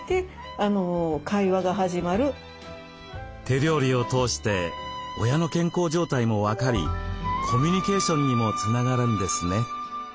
手料理を通して親の健康状態も分かりコミュニケーションにもつながるんですね。